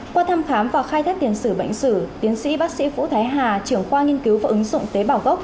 qua thăm khám và khai thác tiền sử bệnh sử tiến sĩ bác sĩ vũ thái hà trưởng khoa nghiên cứu và ứng dụng tế bảo gốc